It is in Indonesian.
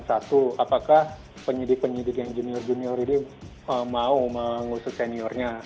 satu apakah penyidik penyidik yang junior junior ini mau mengusut seniornya